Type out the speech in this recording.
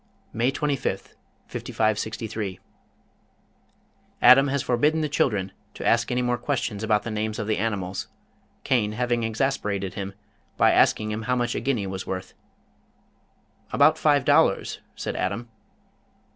May 25th, 5563. Adam has forbidden the children to ask any more questions about the names of the animals, Cain having exasperated him by asking how much a guinea was worth. "About five dollars," said Adam.